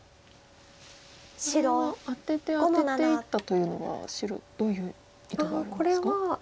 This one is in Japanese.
これはアテてアテていったというのは白どういう意図があるんですか？